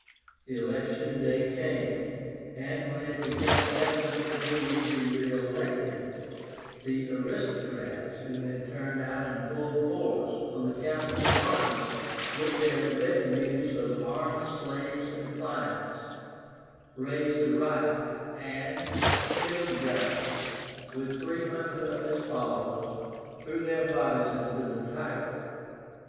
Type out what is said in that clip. The election day came, and when it became evident that he would be re elected, the aristocrats, who had turned out in full force on the Campus Martius with their retinues of armed slaves and clients, raised a riot, and, killing Gracchus with three hundred of his followers, threw their bodies into the Tiber (133).